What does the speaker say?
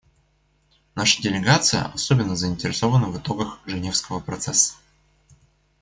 Наша делегация особенно заинтересована в итогах Женевского процесса.